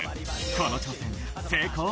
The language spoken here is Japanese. この挑戦成功？